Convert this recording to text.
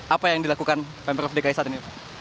apa yang dilakukan pemprov dki satu ini